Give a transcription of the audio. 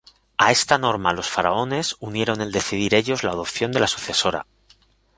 A esta norma los faraones unieron el decidir ellos la adopción de la sucesora.